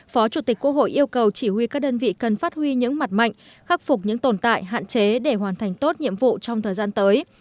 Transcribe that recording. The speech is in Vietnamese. phó chủ tịch quốc hội yêu cầu chỉ huy các đơn vị cần phát huy những mặt mạnh khắc phục những tồn tại hạn chế để hoàn thành tốt nhiệm vụ trong thời gian tới